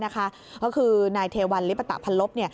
ก็คือนายเทวัลลิปตะพันลบ